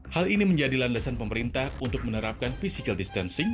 hal ini menjadi landasan pemerintah untuk menerapkan physical distancing